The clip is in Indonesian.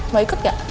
mau ikut gak